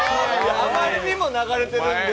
あまりにも流れてるので。